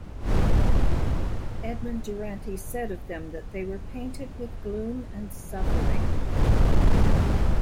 Edmond Duranty said of them that they were painted with gloom and suffering.